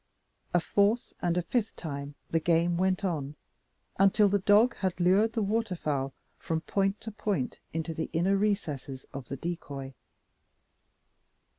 A fourth and a fifth time the game went on, until the dog had lured the water fowl from point to point into the inner recesses of the decoy.